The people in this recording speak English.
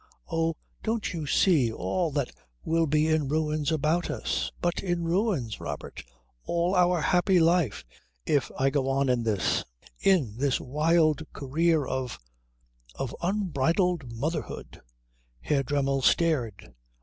"Oh, don't you see all that will be in ruins about us but in ruins, Robert all our happy life if I go on in this in this wild career of of unbridled motherhood?" Herr Dremmel stared.